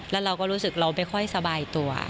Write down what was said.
แล้วเราก็รู้สึกเราไม่ค่อยสบายตัว